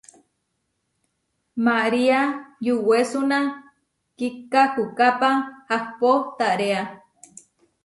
María yuwésuna kikahúkápa ahpó taréa.